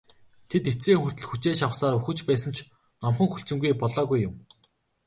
Тэд эцсээ хүртэл хүчээ шавхсаар үхэж байсан ч номхон хүлцэнгүй болоогүй юм.